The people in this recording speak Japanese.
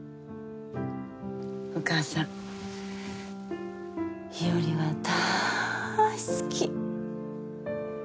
お母さん日和が大好き。